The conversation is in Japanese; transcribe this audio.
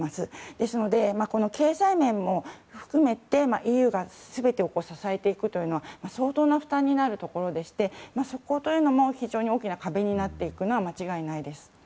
ですので、経済面も含めてＥＵが全てを支えていくというのは相当な負担になるところでしてそこというのも非常に大きな壁になっていくのは間違いないです。